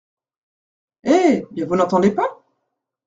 Eh ! bien, vous n’entendez pas ?